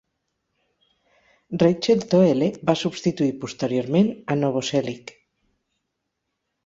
Rachel Thoele va substituir posteriorment a Novoselic.